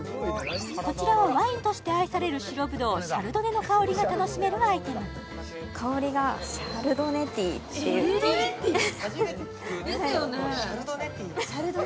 こちらはワインとして愛される白ぶどうシャルドネの香りが楽しめるアイテム香りがシャルドネティーっていうですよね